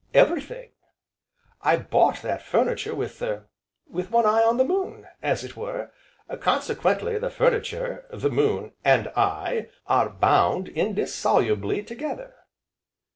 "Everything! I bought that furniture with er with one eye on the moon, as it were, consequently the furniture, the moon, and I, are bound indissolubly together."